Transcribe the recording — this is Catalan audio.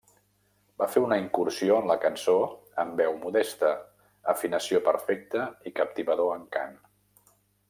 Va fer una incursió en la cançó amb veu modesta, afinació perfecta i captivador encant.